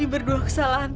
ini berdua kesalahan ibu